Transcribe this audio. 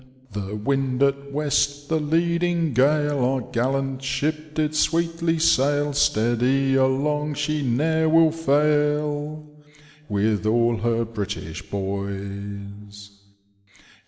The wind at west, the leading gale. Our gallant ship did sweetly sail. Steady along, she ne'er will fail, With all her British boys.